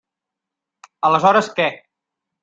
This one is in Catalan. Aleshores, què?